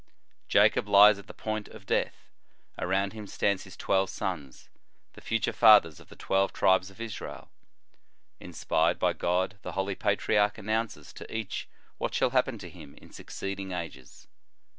Jacob lies at the point of death. Around him stand his twelve sons, the future fathers of the twelve tribes of Israel. Inspired by God, the holy patriarch announces to each what shall happen to him in succeeding ages.